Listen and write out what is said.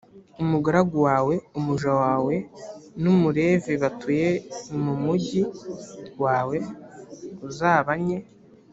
umugaragu wawe, umuja wawe, n’umulevi batuye mu mugi wawe, uzabanye